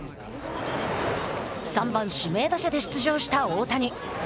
三番、指名打者で出場した大谷。